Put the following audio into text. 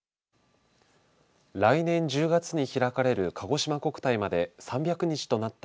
来年１０月に開かれるかごしま国体まで３００日となった